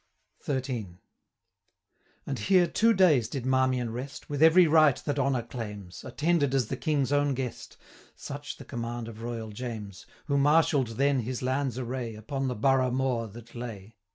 XIII. And here two days did Marmion rest, 255 With every rite that honour claims, Attended as the King's own guest; Such the command of Royal James, Who marshall'd then his land's array, Upon the Borough moor that lay.